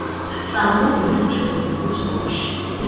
ვსწავლობ ერთ ჩვეულებრივ სკოლაში